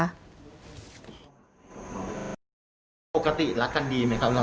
รักกันดี